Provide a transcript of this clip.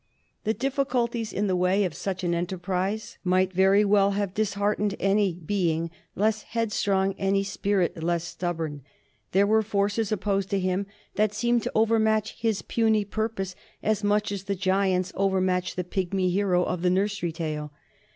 The difficulties in the way of such an enterprise might very well have disheartened any being less headstrong, any spirit less stubborn. There were forces opposed to him that seemed to overmatch his puny purpose as much as the giants overmatched the pigmy hero of the nursery tale.